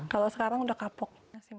kalau sekarang sudah kapok